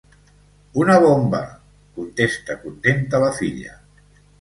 Una bomba!, contesta contenta la filla.